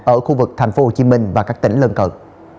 ở khu vực tp hcm và các tỉnh lân cận